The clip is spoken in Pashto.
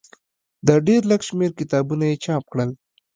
د ډېر لږ شمېر کتابونه یې چاپ کړل.